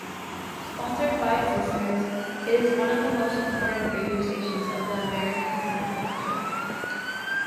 Sponsored by its listeners, it is one of the most important radio stations of the American counter-culture.